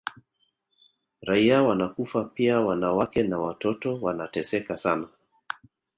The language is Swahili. Raia wanakufa pia wanawake na watoto wanateseka sana